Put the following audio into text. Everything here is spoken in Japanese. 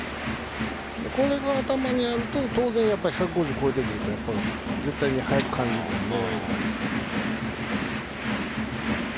これが頭にあると、当然１５０を超えてくると絶対に速く感じるので。